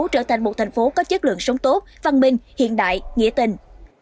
trở thành một thành phố có chất lượng sống tốt văn minh hiện đại nghĩa tình